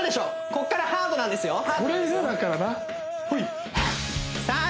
こっからハードなんですよさあ